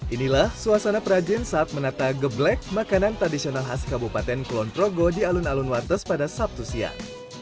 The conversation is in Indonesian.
inilah suasana perajin saat menata geblek makanan tradisional khas kabupaten kulonprogo di alun alun wates pada sabtu siang